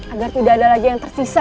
agar tidak ada lagi yang tersisa